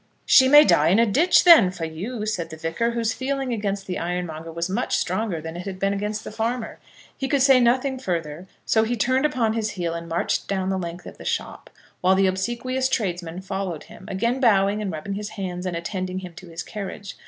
"She may die in a ditch, then, for you?" said the Vicar, whose feeling against the ironmonger was much stronger than it had been against the farmer. He could say nothing further, so he turned upon his heel and marched down the length of the shop, while the obsequious tradesman followed him, again bowing and rubbing his hands, and attending him to his carriage.